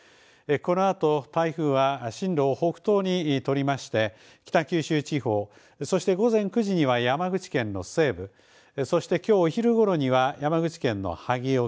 このあと、台風は針路を北東にとりまして、北九州地方そして午前９時には山口県の西部、そしてきょうお昼頃には山口県の萩沖、